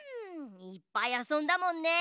いっぱいあそんだもんね。